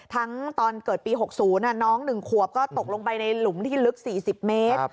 ตอนเกิดปี๖๐น้อง๑ขวบก็ตกลงไปในหลุมที่ลึก๔๐เมตร